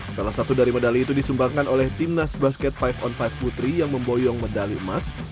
salah satu dari medali itu disumbangkan oleh timnas basket lima on lima putri yang memboyong medali emas